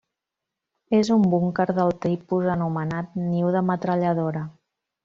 És un búnquer del tipus anomenat, niu de metralladora.